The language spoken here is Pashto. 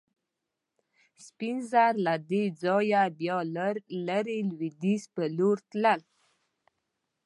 سپین زر له دې ځایه بیا لرې لوېدیځ په لور تلل.